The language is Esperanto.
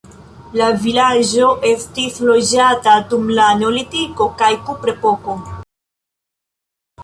La vilaĝo estis loĝata dum la neolitiko kaj kuprepoko.